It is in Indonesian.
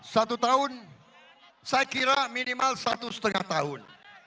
satu tahun saya kira minimal satu setengah tahun